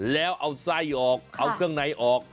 แล้วเอาไส้ออกเอาเครื่องในออก